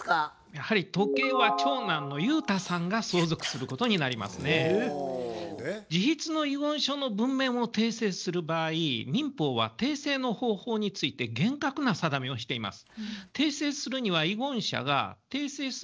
やはり時計は自筆の遺言書の文面を訂正する場合民法は訂正の方法について厳格な定めをしています。